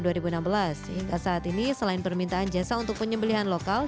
hingga saat ini selain permintaan jasa untuk penyembelian lokal